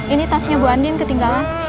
ini tasnya bu andin ketinggalan